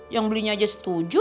yang belinya aja setuju